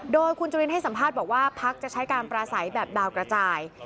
โดยคุณจุลินให้สัมภาษณ์บอกว่าพักจะใช้การปราศัยแบบดาวกระจาย